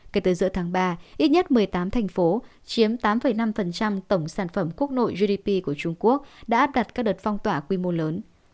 kể từ giữa tháng ba ít nhất một mươi tám thành phố chiếm tám năm tổng sản phẩm quốc nội gdp của trung quốc đã áp đặt các đợt phong tỏa quy mô lớn